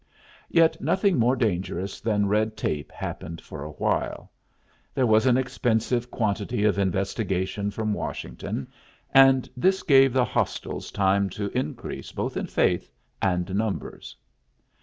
Yet nothing more dangerous than red tape happened for a while. There was an expensive quantity of investigation from Washington, and this gave the hostiles time to increase both in faith and numbers.